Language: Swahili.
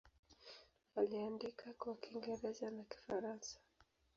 Aliandika kwa Kiingereza na Kifaransa.